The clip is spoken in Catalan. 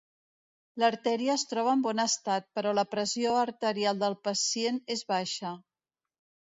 L'artèria es troba en bon estat, però la pressió arterial del pacient és baixa.